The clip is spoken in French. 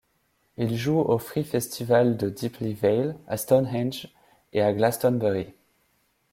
Ils jouent au free-festival de Deeply Vale, à Stonehenge et à Glastonbury.